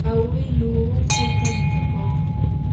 awiluu kuka rikakuqmi.